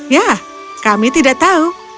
ya kami tidak tahu